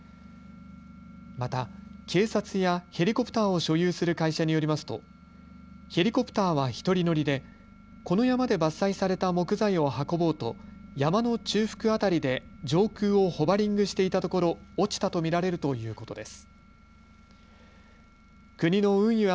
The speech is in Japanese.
また、警察やヘリコプターを所有する会社によりますとヘリコプターは１人乗りでこの山で伐採された木材を運ぼうと山の中腹辺りで上空をホバリングしていたところ落ちたと見られるということです。